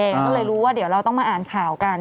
ก็เลยรู้ว่าเดี๋ยวเราต้องมาอ่านข่าวกัน